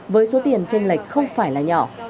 với số tiền trên lệch không phải là nhỏ